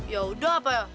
ya udah apa ya